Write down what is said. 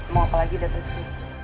mau apa lagi dateng sekalian